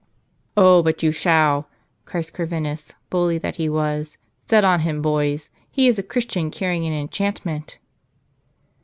"Oh, but you shall!" cries Corvinus, bully that he was. "Set on him, boys ! He is a Christian carrying an enchantment